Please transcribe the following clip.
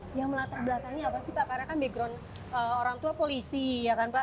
karena kan background orang tua polisi ya kan pak